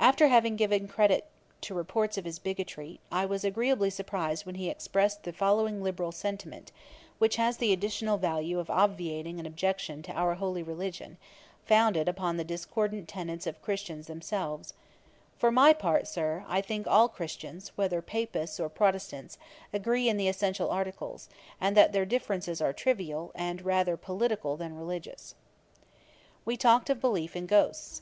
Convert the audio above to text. After having given credit to reports of his bigotry, I was agreeably surprized when he expressed the following very liberal sentiment, which has the additional value of obviating an objection to our holy religion, founded upon the discordant tenets of Christians themselves: 'For my part, Sir, I think all Christians, whether Papists or Protestants, agree in the essential articles, and that their differences are trivial, and rather political than religious.' We talked of belief in ghosts.